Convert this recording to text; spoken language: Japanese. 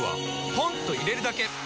ポンと入れるだけ！